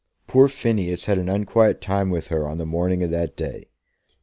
Poor Phineas had an unquiet time with her on the morning of that day.